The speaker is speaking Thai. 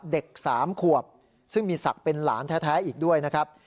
เด็ก๓ขวบซึ่งมีศักดิ์เป็นหลานแท้อีกด้วยนะครับ